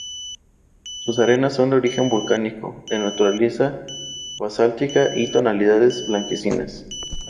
Sus arenas son se origen volcánico, de naturaleza basáltica y tonalidades blanquecinas.